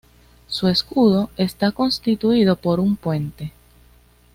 Su escudo está constituido por un puente.